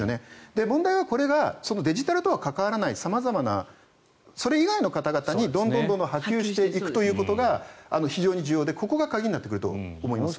問題はデジタルと関わらない様々なそれ以外の方々にどんどん波及していくことが非常に重要でここが鍵になってくると思います。